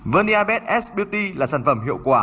verniabet s beauty là sản phẩm hiệu quả